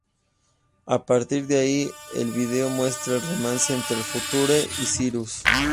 A partir de ahí, el vídeo muestra el romance entre el Future y Cyrus.